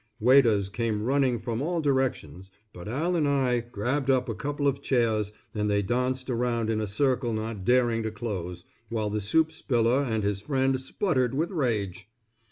Waiters came running from all directions, but Al and I grabbed up a couple of chairs and they danced around in a circle not daring to close, while the soup spiller and his friend sputtered with rage.